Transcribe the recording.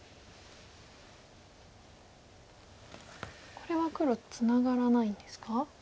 これは黒ツナがらないんですか？